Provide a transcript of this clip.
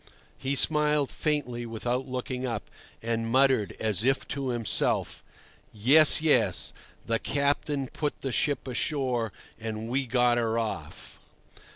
He smiled faintly without looking up, and muttered as if to himself: "Yes, yes; the captain put the ship ashore and we got her off."